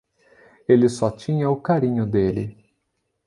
Ele só tinha o carinho dele.